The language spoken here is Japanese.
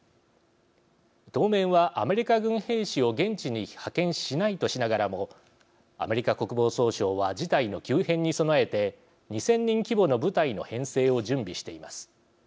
当面はアメリカ軍兵士を現地に派遣しないとしながらもアメリカ国防総省は事態の急変に備えて２０００人規模の部隊の編成を準備しています。